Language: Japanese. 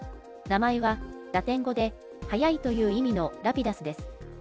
名前はラテン語で速いという意味のＲａｐｉｄｕｓです。